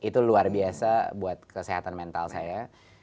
itu luar biasa buat kesehatan mental saya